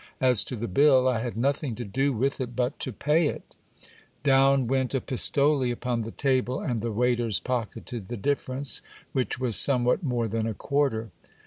As to the bill, I had nothing to do with it but to pay it Down went a pistole upon the table, and the waiters pocketed the difference, which was sonie .vhat more than a quarter.